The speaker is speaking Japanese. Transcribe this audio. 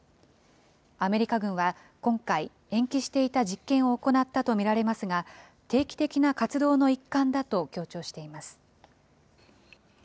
アメリカ軍は、今回、延期していた実験を行ったと見られますが、定期的な活動の一環だと強調しています。